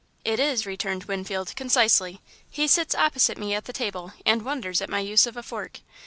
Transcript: "It is," returned Winfield, concisely. "He sits opposite me at the table, and wonders at my use of a fork.